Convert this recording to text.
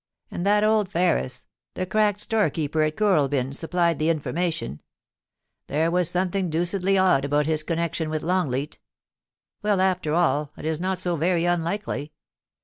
— and that old Ferris, the cracked storekeeper at Kooralbyn, supplied the informatioiL There was something deucedly odd about his connection with Longleat Well, after all, it is not so very unlikely.